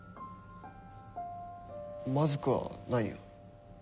まずくはないよ。